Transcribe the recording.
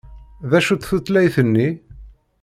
D acu-tt tutlayt-nni?